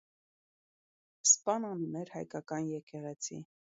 Սպանան ուներ հայկական եկեղեցի։